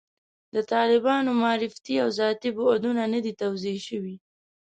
د طالبانو معرفتي او ذاتي بعدونه نه دي توضیح شوي.